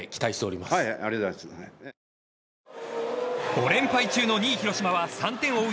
５連敗中の２位、広島は３点を追う